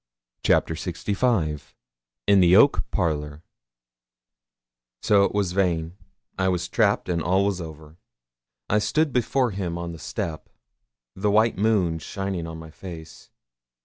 CHAPTER LXV IN THE OAK PARLOUR So it was vain: I was trapped, and all was over. I stood before him on the step, the white moon shining on my face.